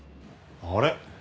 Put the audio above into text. あれ？